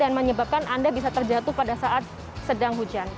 dan menyebabkan anda bisa terjatuh pada saat sedang hujan